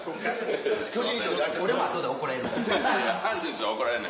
俺も後で怒られる。